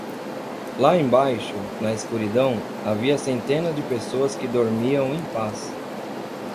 Lá embaixo, na escuridão, havia centenas de pessoas que dormiam em paz.